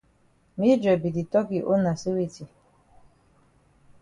Mildred be di tok yi own na say weti?